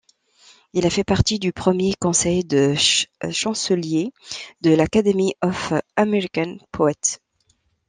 Il a fait partie du premier Conseil de chanceliers de l'Academy of American Poets.